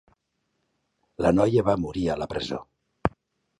La noia va morir a la presó.